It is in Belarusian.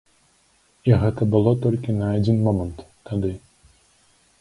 І гэта было толькі на адзін момант тады.